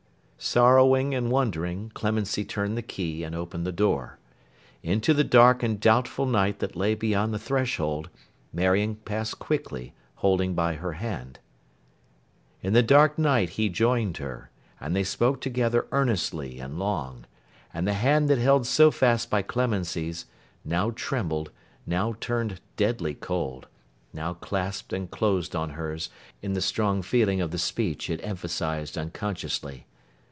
Sorrowing and wondering, Clemency turned the key, and opened the door. Into the dark and doubtful night that lay beyond the threshold, Marion passed quickly, holding by her hand. In the dark night he joined her, and they spoke together earnestly and long; and the hand that held so fast by Clemency's, now trembled, now turned deadly cold, now clasped and closed on hers, in the strong feeling of the speech it emphasised unconsciously.